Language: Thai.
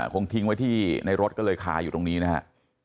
คงทิ้งไว้ที่ในรถก็เลยคาอยู่ตรงนี้นะฮะ